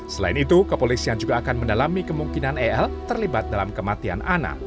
selain itu kepolisian juga akan mendalami kemungkinan el terlibat dalam kematian anak